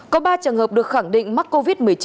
có ba trường hợp được khẳng định mắc covid một mươi chín